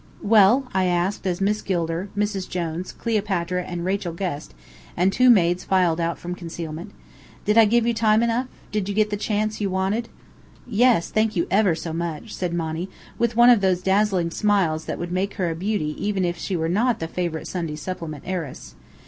"Well?" I asked, as Miss Gilder, "Mrs. Jones," Cleopatra, Rachel Guest, and two maids filed out from concealment. "Did I give you time enough? Did you get the chance you wanted?" "Yes, thank you ever so much," said Monny, with one of those dazzling smiles that would make her a beauty even if she were not the favourite Sunday supplement heiress.